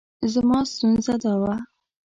زما ستونزه دا وه.